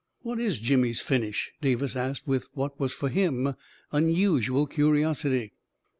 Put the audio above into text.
"What is Jimmy's finish?" Davis asked, with what was for him unusual curiosity.